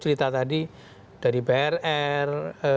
cerita tadi dari prr